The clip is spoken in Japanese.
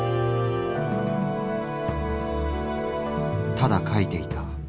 「ただ描いていた。